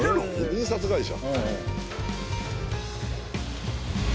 印刷会社。